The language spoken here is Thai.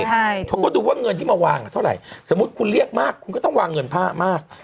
เขาก็ดูว่าเงินที่มาวางเท่าไหร่สมมุติคุณเรียกมากคุณก็ต้องวางเงินผ้ามาก